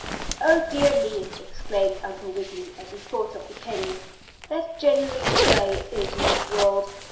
"Oh, dear me!" exclaimed Uncle Wiggily, as he thought of the penny. "That's generally the way it is in this world.